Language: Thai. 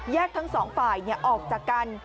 ทั้งสองฝ่ายออกจากกัน